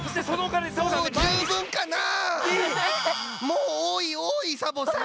もうおおいおおいサボさん！